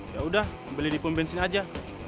yaudah beli di pom bensin aja